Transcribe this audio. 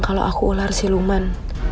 kalau aku ular siluman